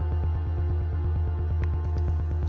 selain itu adanya penyakit paru